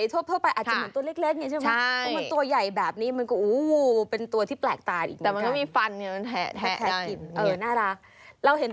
แต่ถ้าตัวใหญ่งงเหมือนกัน